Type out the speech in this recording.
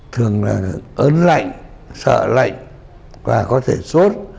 thường là ớn lạnh sợ lạnh và có thể sốt